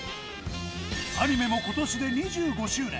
アニメもことしで２５周年。